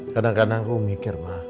kadang kadang aku mikir ma